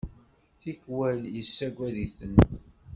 Tikwal yessagad-iten.